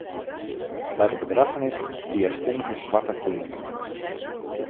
By de begraffenis hie er stimmige swarte klean oan.